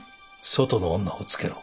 外の女をつけろ。